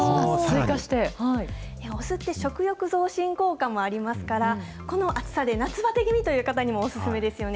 お酢って食欲増進効果もありますから、この暑さで夏ばて気味という方にもお勧めですよね。